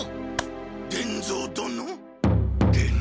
伝蔵殿！